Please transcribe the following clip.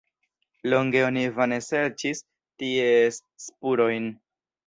Longe oni vane serĉis ties spurojn.